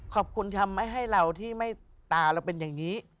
ขอบคุณทำให้เราที่ไม่ตาเราเป็นอย่างนี้